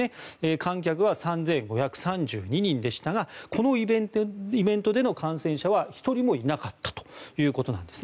観客は３５３２人でしたがこのイベントでの感染者は１人もいなかったということです。